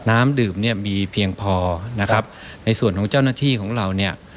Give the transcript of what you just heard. น้ำดื่มเนี่ยมีเพียงพอนะครับในส่วนของเจ้าหน้าที่ของเราเนี่ย